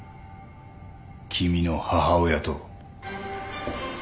君の母親と。